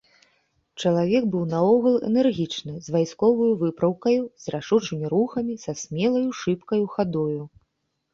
Чалавек быў наогул энергічны, з вайсковаю выпраўкаю, з рашучымі рухамі, са смелаю, шыбкаю хадою.